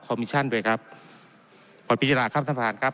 มิชั่นด้วยครับขอพิจารณาครับท่านประธานครับ